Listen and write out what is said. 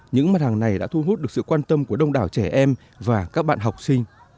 những mặt hàng này đã thu hút được sự quan tâm của đông đảo trẻ em và các bạn học sinh